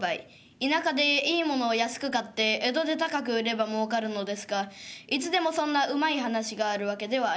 田舎でいいものを安く買って江戸で高く売ればもうかるのですがいつでもそんなうまい話があるわけではありません。